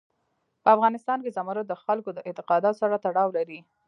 په افغانستان کې زمرد د خلکو د اعتقاداتو سره تړاو لري.